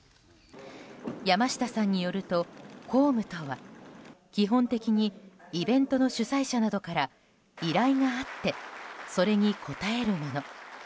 山下さんによると公務とは基本的にイベントの主催者などから依頼があってそれに応えるもの。